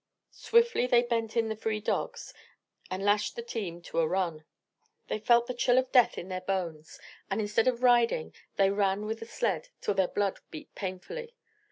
Swiftly they bent in the free dogs and lashed the team to a run. They felt the chill of death in their bones, and instead of riding they ran with the sled till their blood beat painfully.